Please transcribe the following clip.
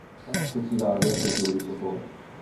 土地が荒れ痩せていること。